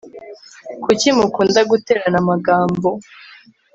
Kuki mukunda guterana amagambo